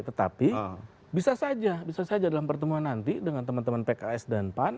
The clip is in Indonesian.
tetapi bisa saja bisa saja dalam pertemuan nanti dengan teman teman pks dan pan